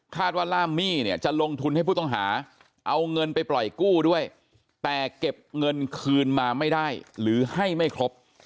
ว่าล่ามมี่เนี่ยจะลงทุนให้ผู้ต้องหาเอาเงินไปปล่อยกู้ด้วยแต่เก็บเงินคืนมาไม่ได้หรือให้ไม่ครบ